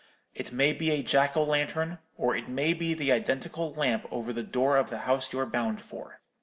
It may be a Jack o' lantern; or it may be the identical lamp over the door of the house you're bound for.